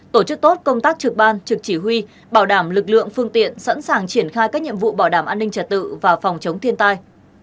tổ chức tốt công tác trực ban trực chỉ huy bảo đảm lực lượng phương tiện sẵn sàng triển khai các nhiệm vụ bảo đảm an ninh trật tự và phòng chống thiên tai